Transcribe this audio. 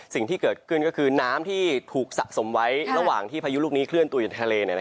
สิ่งที่เกิดขึ้นก็คือน้ำที่ถูกสะสมไว้ระหว่างที่พายุลูกนี้เคลื่อนตัวอยู่ในทะเล